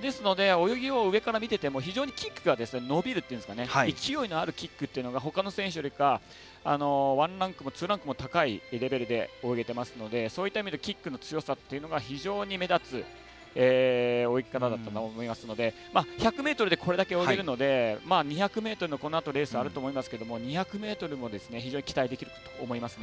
ですので、泳ぎを上から見てても非常にキックが伸びるというか勢いのあるキックほかの選手よりかワンランクもツーランクも高いレベルで泳げていますのでそういった意味でキックの強さっていうのが非常に目立つ泳ぎ方だと思いますので１００ｍでこれだけ泳げるので２００ｍの、このあとレースがあると思いますけども２００ｍも非常に期待できると思いますね。